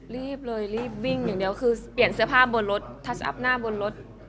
ลิบเลยของอาจเปลี่ยนเสื้อผ้าบนรถพื้นเท้ามือบนรถ